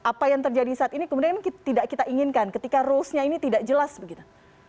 apa yang terjadi saat ini kemudian tidak kita inginkan ketika role nya ini tidak jelas begitu